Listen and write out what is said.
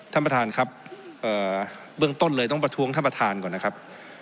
ท่านประธานครับเบื้องต้นเลยต้องประท้วงท่านประธานก่อนนะครับ